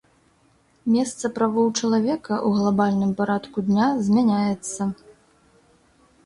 Месца правоў чалавека ў глабальным парадку дня змяняецца.